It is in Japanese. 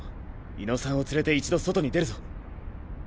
猪野さんを連れて一度外に出るぞ。